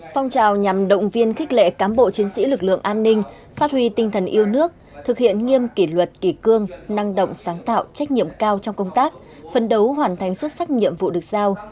phong trào nhằm động viên khích lệ cán bộ chiến sĩ lực lượng an ninh phát huy tinh thần yêu nước thực hiện nghiêm kỷ luật kỷ cương năng động sáng tạo trách nhiệm cao trong công tác phân đấu hoàn thành xuất sắc nhiệm vụ được giao